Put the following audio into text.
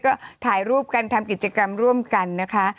ก็ถ่ายรูปกันทำกิจกรรมร่วมกันนะคะ